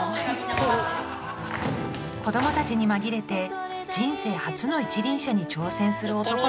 子どもたちに紛れて人生初の一輪車に挑戦する男の子がいます。